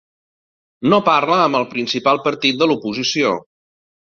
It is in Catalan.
No parla amb el principal partit de la oposició.